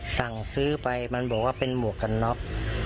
สั่งซื้อไปมันบอกว่าเป็นหมวกกันน็อก